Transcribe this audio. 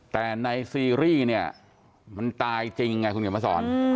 แต่ในซีรีส์เนี่ยมันตายจริงไงคุณเขียนมาสอน